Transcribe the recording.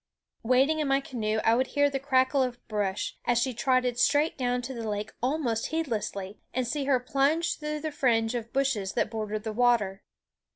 Waiting in my canoe I would hear the crackle of brush, as she trotted straight down to the lake almost heedlessly, and see her plunge through the fringe of bushes that bordered the water.